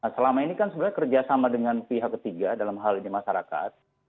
selama ini kan sebenarnya kerjasama dengan pihak ketiga dalam hal ini masyarakat